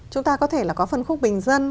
chúng ta có thể là có phân khúc bình dân